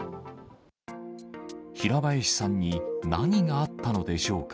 平林さんに何があったのでしょうか。